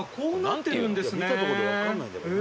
見たとこでわかんないんだけど。